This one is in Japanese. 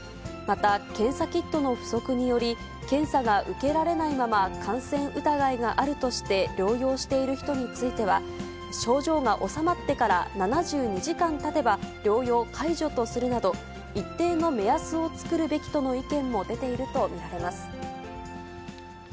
また、検査キットの不足により、検査が受けられないまま感染疑いがあるとして、療養している人については、症状が収まってから７２時間たてば、療養解除とするなど、一定の目安を作るべきとの意見も出ていると見られます。